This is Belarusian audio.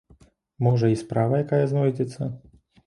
Можа, і справа якая знойдзецца?